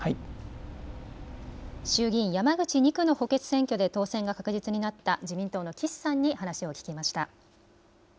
衆議院山口２区の補欠選挙で当選が確実になった自民党の岸さんに話を聞きました。